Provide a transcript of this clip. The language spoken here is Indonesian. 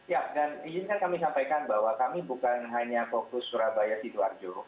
ya dan izinkan kami sampaikan bahwa kami bukan hanya fokus surabaya sidoarjo